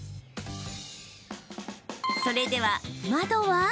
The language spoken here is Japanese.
それでは窓は。